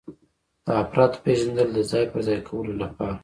د افرادو پیژندل د ځای پر ځای کولو لپاره.